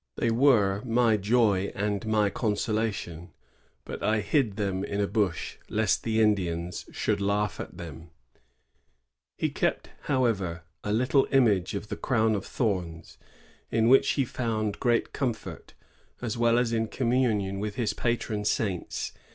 They were my joy and my consolation; but I hid them in a bush, lest the Indians should laugh at them." He kept, however, a little image of the crown of thorns, in which he found great comfort, 1 RdaiioH, 1668, 18. 60 THE JESUITS AT ONONDAGA. [IWa as well as in communion with his patron saints.